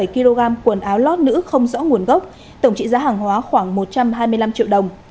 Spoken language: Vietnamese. bảy kg quần áo lót nữ không rõ nguồn gốc tổng trị giá hàng hóa khoảng một trăm hai mươi năm triệu đồng